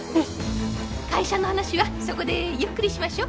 会社の話はそこでゆっくりしましょ。